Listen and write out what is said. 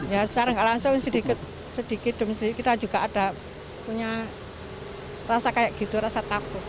ya secara nggak langsung sedikit sedikit kita juga ada punya rasa kayak gitu rasa takut